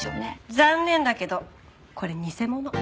残念だけどこれ偽物。